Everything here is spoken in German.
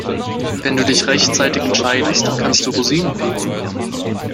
Wenn du dich rechtzeitig entscheidest, kannst du Rosinen picken.